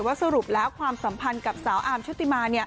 สรุปแล้วความสัมพันธ์กับสาวอาร์มชุติมา